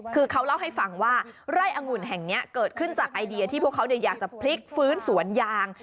คือเขาเล่าให้ฟังว่าไร่อังุ่นแห่งนี้เกิดขึ้นจากไอเดียที่พวกเขาอยากจะพลิกฟื้นสวนยาง